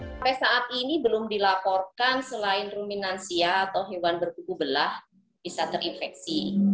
sampai saat ini belum dilaporkan selain ruminansia atau hewan berkuku belah bisa terinfeksi